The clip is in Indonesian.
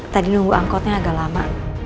tadi nunggu angkotnya agak lama